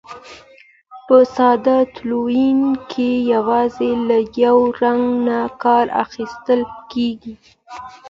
په ساده تلوین کې یوازې له یو رنګ نه کار اخیستل کیږي.